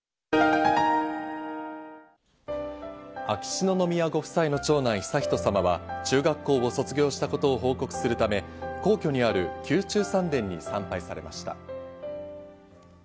秋篠宮ご夫妻の長男・悠仁さまは中学校を卒業したことを報告するため、皇居にある宮中三殿に参拝されました。